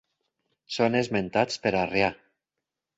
Són esmentats per Arrià.